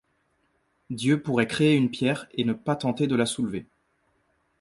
Dieu pourrait créer une pierre et ne pas tenter de la soulever.